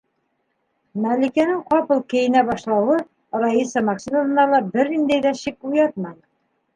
- Мәликәнең ҡапыл кейенә башлауы Раиса Максимовнала бер ниндәй ҙә шик уятманы.